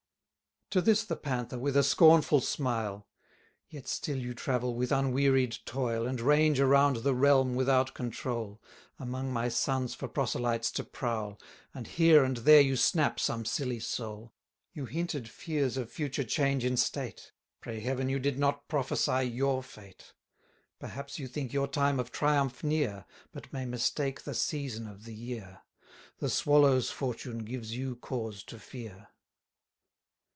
To this the Panther, with a scornful smile: 410 Yet still you travel with unwearied toil, And range around the realm without control, Among my sons for proselytes to prowl, And here and there you snap some silly soul. You hinted fears of future change in state; Pray heaven you did not prophesy your fate! Perhaps you think your time of triumph near, But may mistake the season of the year; The Swallow's fortune gives you cause to fear.